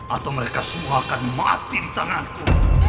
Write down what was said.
atau mereka semua akan mati di tanganku